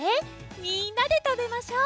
みんなでたべましょう！